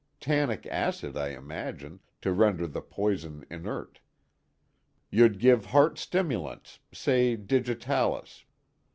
Tannic acid I imagine, to render the poison inert. You'd give heart stimulants, say digitalis.